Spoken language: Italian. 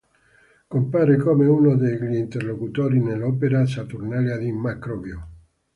Compare come uno degli interlocutori nell'opera "Saturnalia" di Macrobio.